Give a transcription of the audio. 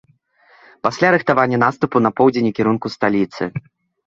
Пасля рыхтаванне наступу на поўдзень у кірунку сталіцы.